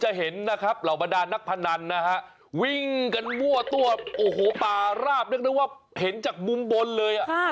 เห็นนะครับเหล่าบรรดานนักพนันนะฮะวิ่งกันมั่วตัวโอ้โหป่าราบเรียกได้ว่าเห็นจากมุมบนเลยอ่ะ